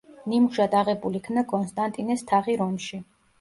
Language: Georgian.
ნიმუშად აღებულ იქნა კონსტანტინეს თაღი რომში.